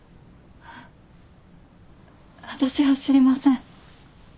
私は知りません。